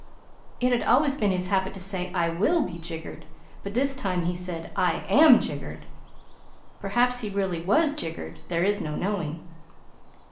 It had always been his habit to say, "I WILL be jiggered," but this time he said, "I AM jiggered." Perhaps he really WAS jiggered. There is no knowing.